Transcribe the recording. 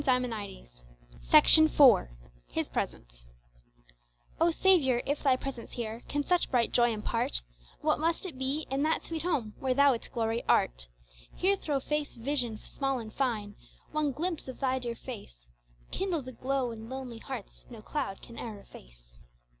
His Presence Oh Saviour if Thy presence here Can such bright joy impart What must it be in that sweet home Where Thou its glory art Here through faith's vision small and fine One glimpse of Thy dear face Kindles a glow in lonely hearts, No cloud can e'er efface.